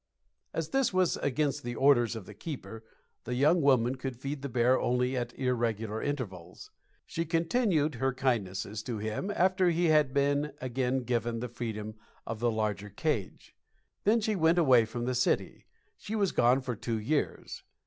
As this was against the orders of the keeper, the young woman could feed the bear only at irregular intervals. She continued her kindnesses to him after he had been again given the freedom of the larger cage. Then she went away from the city. She was gone for two years.